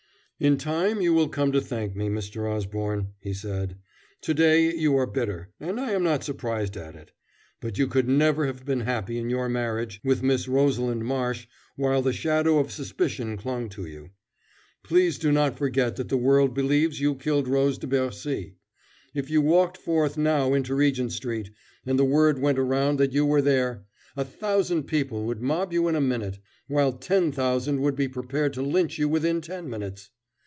"In time you will come to thank me, Mr. Osborne," he said. "To day you are bitter, and I am not surprised at it, but you could never have been happy in your marriage with Miss Rosalind Marsh while the shadow of suspicion clung to you. Please do not forget that the world believes you killed Rose de Bercy. If you walked forth now into Regent Street, and the word went around that you were there, a thousand people would mob you in a minute, while ten thousand would be prepared to lynch you within ten minutes.